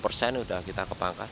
lima puluh persen sudah kita kepangkas